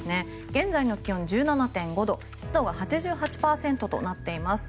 現在の気温は１７．５度湿度は８８％となっています。